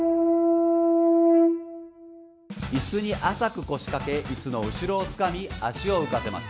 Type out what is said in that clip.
イスに浅く腰掛けイスの後ろをつかみ足を浮かせます。